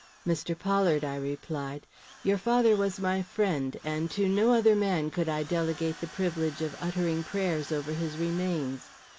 "Mr. Pollard," I replied, "your father was my friend, and to no other man could I delegate the privilege of uttering prayers over his remains.